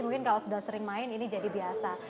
mungkin kalau sudah sering main ini jadi biasa